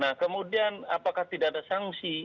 nah kemudian apakah tidak ada sanksi